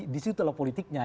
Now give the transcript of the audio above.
disitu lah politiknya